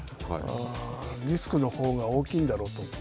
リスクのほうが大きいんだろうと思う。